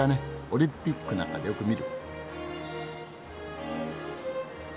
オリンピックなんかでよく見る。